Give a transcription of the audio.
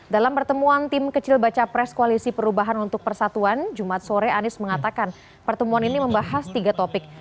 dalam pertemuan tim kecil baca pres koalisi perubahan untuk persatuan jumat sore anies mengatakan pertemuan ini membahas tiga topik